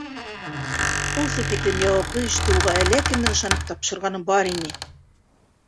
Ошо тиклем яуаплы эште уға әле кемдең ышанып тапшырғаны бар ине?